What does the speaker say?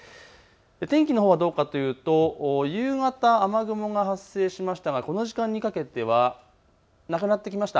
天気のほうはどうかというと夕方、雨雲が発生しましたがこの時間にかけてはなくなってきました。